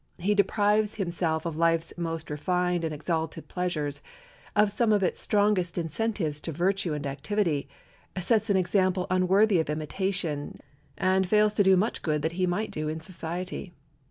He deprives himself of life's most refined and exalted pleasures, of some of its strongest incentives to virtue and activity, sets an example unworthy of imitation, and fails to do much good that he might do in society.